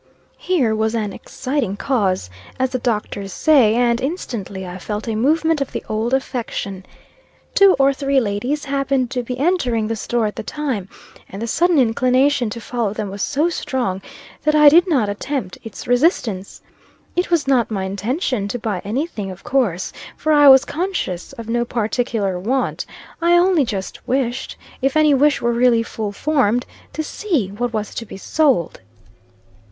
Here was an "exciting cause," as the doctors say, and, instantly I felt a movement of the old affection. Two or three ladies happened to be entering the store at the time, and the sudden inclination to follow them was so strong that I did not attempt its resistance. It was not my intention, to buy any thing, of course; for I was conscious of no particular want. I only just wished, if any wish were really full formed, to see what was to be sold.